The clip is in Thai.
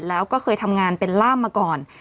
แล้วก็เคยทำงานเป็นล่ามมาก่อน